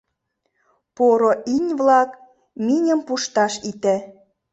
Поро иҥ-влак, миньым пушташ ите.